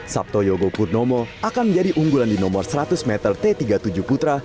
sabto yogo purnomo akan menjadi unggulan di nomor seratus meter t tiga puluh tujuh putra